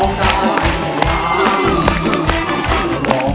ร้องได้ให้ร้าน